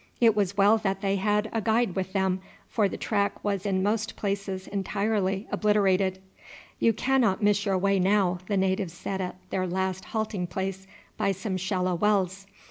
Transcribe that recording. It was well that they had a guide with them, for the track was in most places entirely obliterated. "You cannot miss your way now," the native said at their last halting place by some shallow wells.